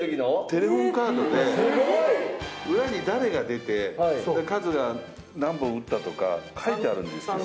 テレホンカードで裏に誰が出てカズが何本打ったとか書いてあるんですよ。